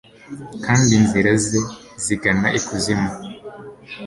Kandi inzira ze zigana ikuzimu